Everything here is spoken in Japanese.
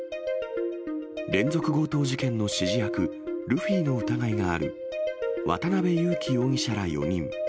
連続強盗事件の指示役、ルフィの疑いがある渡辺優樹容疑者ら４人。